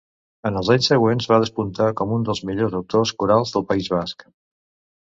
En els anys següents va despuntar com un dels millors autors corals del País Basc.